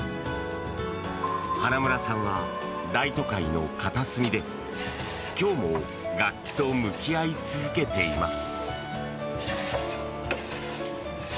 花村さんは大都会の片隅で今日も楽器と向き合い続けています。